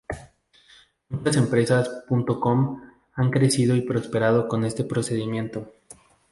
Muchas "empresas punto com" han crecido y prosperado con este procedimiento.